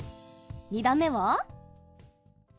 ２打目は？